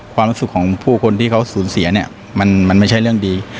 ความรู้สึกของผู้คนที่เขาสูญเสียเนี่ยมันไม่ใช่เรื่องดี